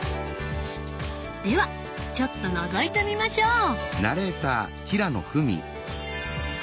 ではちょっとのぞいてみましょう！